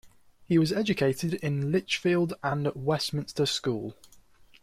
He was educated in Lichfield and at Westminster School.